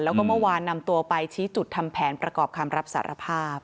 แล้วก็เมื่อวานนำตัวไปชี้จุดทำแผนประกอบคำรับสารภาพ